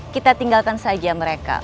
kita tinggalkan sajian mereka